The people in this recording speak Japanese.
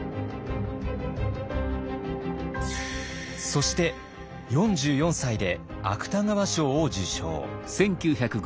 そして４４歳で芥川賞を受賞。